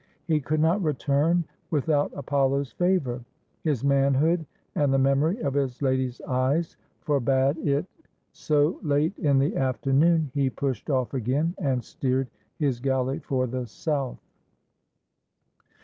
He could not return without Apollo's favor; his manhood and the memory of his lady's eyes forbade 96 THE LEMNIAN: A STORY OF THERMOPYL^ it. So, late in the afternoon he pushed off again and steered his galley for the south.